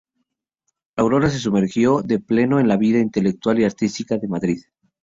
Aurora se sumergió de pleno en la vida intelectual y artística de Madrid.